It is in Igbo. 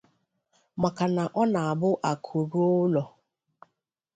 maka na ọ na-abụ akụ ruo ụlọ